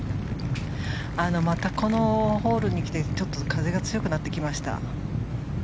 またこのホールに来て風が強くなってきました。